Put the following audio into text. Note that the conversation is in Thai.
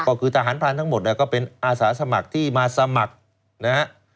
ก็คือทหารพรานทั้งหมดก็เป็นอาสาสมัครที่มาสมัครนะฮะ